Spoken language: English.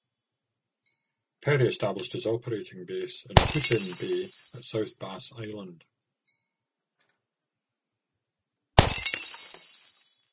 Perry established his operating base in Put-In-Bay at South Bass Island.